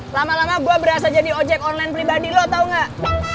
lama lama gue berasa jadi ojek online pribadi lo atau nggak